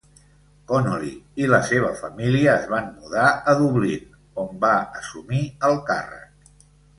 Connolly i la seva família es van mudar a Dublín, on va assumir el càrrec.